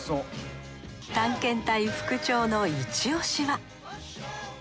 探検隊副長のイチオシは？